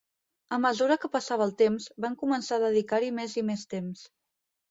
A mesura que passava el temps, vam començar a dedicar-hi més i més temps.